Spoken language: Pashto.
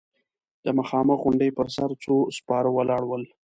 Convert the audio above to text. د مخامخ غونډۍ پر سر څو سپاره ولاړ ول.